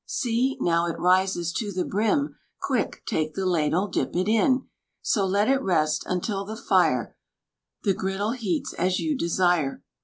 See, now it rises to the brim! Quick, take the ladle, dip it in; So let it rest, until the fire The griddle heats as you desire.